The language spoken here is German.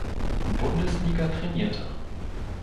Bundesliga trainierte.